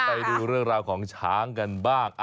ไปดูเรื่องราวของช้างกันบ้าง